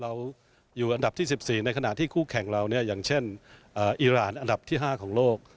เราอยู่อันดับที่๑๔ในขณะที่คู่แข่งเราเนี่ยอย่างเช่นอิราณอันดับที่๕ของโลก